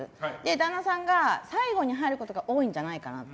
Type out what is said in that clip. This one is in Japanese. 旦那さんが最後に入ることが多いんじゃないかなと。